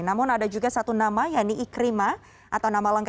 namun ada juga satu nama yang ini ikrima atau nama lainnya